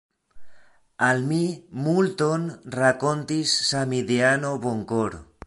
Al mi multon rakontis samideano Bonkor.